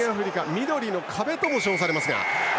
緑の壁とも称されますが。